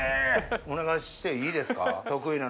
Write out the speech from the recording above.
お願いしていいですか？